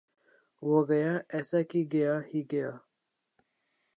وہ گیا ایسا کی گیا ہی گیا